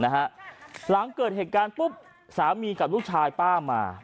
หลังเกิดเหตุการณ์ปุ๊บสามีกับลูกชายป้ามา